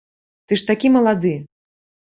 Ты ж такі малады!